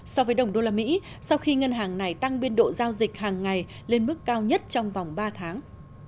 so với đồng đô la mỹ sau khi ngân hàng này tăng biên độ giao dịch hàng ngày lên mức cao nhất trong vòng ba tháng